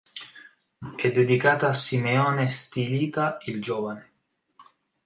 È dedicata a Simeone Stilita il Giovane.